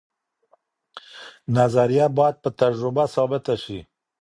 نظریه باید په تجربه ثابته سي.